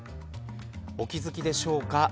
お気付きでしょうか。